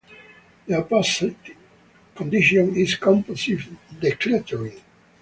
The opposite condition is compulsive decluttering.